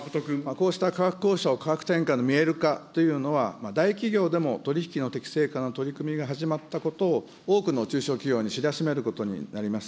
こうした価格交渉、価格転嫁の見える化というのは、大企業でも取り引きの適正化の取り組みが始まったことを、多くの中小企業に知らしめることになります。